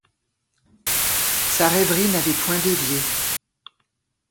Sa rêverie n'avait point dévié.